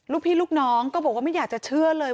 ลูกพี่ลูกน้องก็บอกว่าไม่อยากจะเชื่อเลย